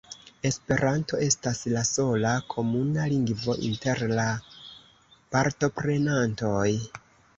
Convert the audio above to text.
Esperanto estas la sola komuna lingvo inter la partoprenantoj.